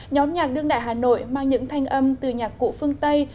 nhóm nhạc đương đại hà nội mang những thanh âm từ nhạc cụ phương tây